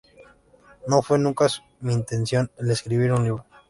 No fue nunca mi intención el escribir un libro.